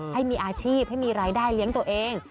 ให้มีอาชีพให้มีรายได้เลี้ยงตัวเอง